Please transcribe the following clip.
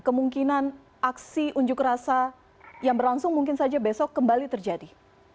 kemungkinan aksi unjuk rasa yang berlangsung mungkin saja besok kembali terjadi